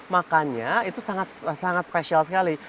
makanya itu sangat sangat special sekali